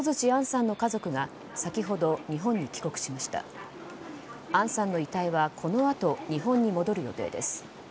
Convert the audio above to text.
杏さんの遺体はこのあと日本に戻る予定です。